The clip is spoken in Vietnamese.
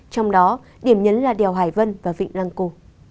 trong đó điểm nhấn là đèo hải vân và vịnh răng cô